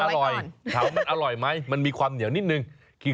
อร่อยถามมันอร่อยไหมมันมีความเหนียวนิดนึง